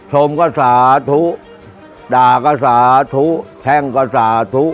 ชมก็สาธุด่าก็สาธุแท่งก็สาธุ